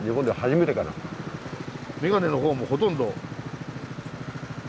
眼鏡のほうもほとんど。